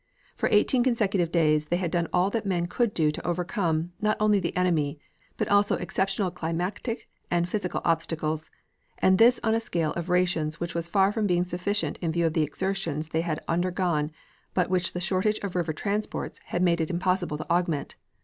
For eighteen consecutive days they had done all that men could do to overcome, not only the enemy, but also exceptional climatic and physical obstacles, and this on a scale of rations which was far from being sufficient in view of the exertions they had undergone but which the shortage of river transports, had made it impossible to augment.